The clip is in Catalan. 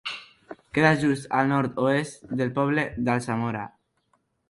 Queda just al nord-oest del poble d'Alsamora.